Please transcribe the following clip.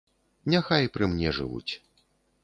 Няхай пры мне жывуць.